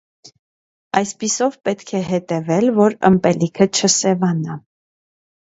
Այսպիսով պետք է հետևել որ ըմպելիքը չսևանա։